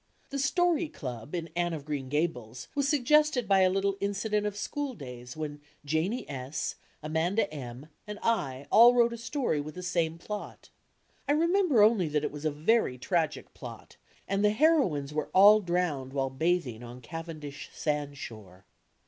The "Story Club" in Anne of Green GahUs was suggested by a little incident of schooldays when Janie S —, Amanda M — and I all wrote a story with the same plot. I remember only that it was a very tragic plot, and the heroines were all drowned while bathing on Cavendish sandshore!